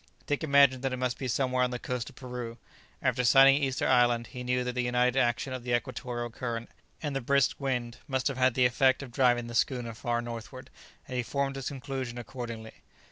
Dick imagined that it must be somewhere on the coast of Peru; after sighting Easter Island, he knew that the united action of the equatorial current and the brisk wind must have had the effect of driving the schooner far northward, and he formed his conclusion accordingly.